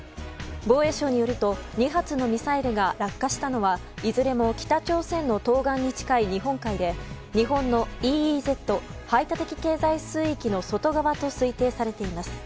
防衛省によると２発のミサイルが落下したのはいずれも北朝鮮の東岸に近い日本海で日本のＥＥＺ・排他的経済水域の外側と推定されています。